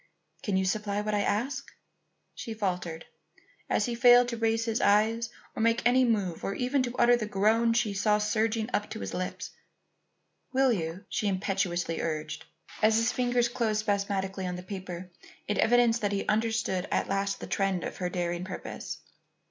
"Can you supply what I ask?" she faltered, as he failed to raise his eyes or make any move or even to utter the groan she saw surging up to his lips. "Will you?" she impetuously urged, as his fingers closed spasmodically on the paper, in evidence that he understood at last the trend of her daring purpose.